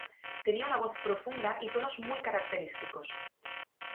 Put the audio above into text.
Tenía una voz profunda y tonos muy característicos.